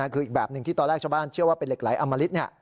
คืออีกแบบหนึ่งที่ตอนแรกชาวบ้านเชื่อว่าเป็นเหล็กไหลอมริต